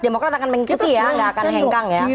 demokrat akan mengikuti ya